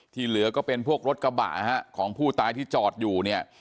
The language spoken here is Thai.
เหลือก็เป็นพวกรถกระบะของผู้ตายที่จอดอยู่เนี่ย